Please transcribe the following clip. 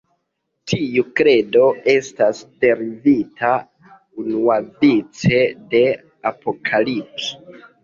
Tiu kredo estas derivita unuavice de Apokalipso.